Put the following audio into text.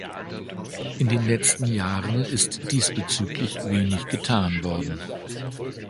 In den letzten Jahren ist diesbezüglich wenig getan worden.